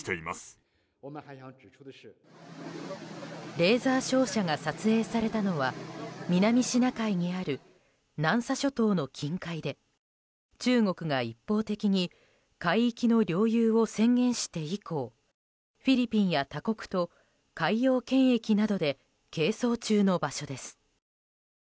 レーザー照射が撮影されたのは南シナ海にある南沙諸島の近海で中国が一方的に海域の領有を宣言して以降フィリピンや他国と海洋権益などで係争中の場所です。